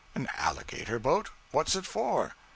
'An alligator boat? What's it for?'